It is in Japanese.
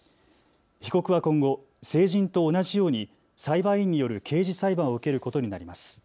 被告は今後、成人と同じように裁判員による刑事裁判を受けることになります。